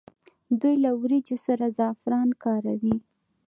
دوی له وریجو سره زعفران کاروي.